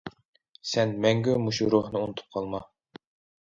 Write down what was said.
سەن مەڭگۈ مۇشۇ روھنى ئۇنتۇپ قالما!